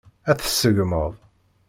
Ad tt-tseggmeḍ?